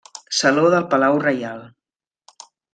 Saló del palau reial.